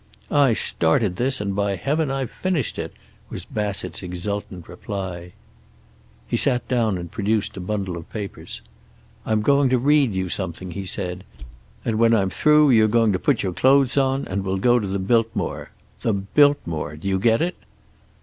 "I started this, and by Heaven I've finished it," was Bassett's exultant reply. He sat down and produced a bundle of papers. "I'm going to read you something," he said. "And when I'm through you're going to put your clothes on and we'll go to the Biltmore. The Biltmore. Do you get it?"